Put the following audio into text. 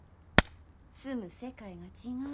住む世界が違う。